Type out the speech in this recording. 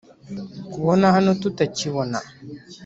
kubo hano tutakibona,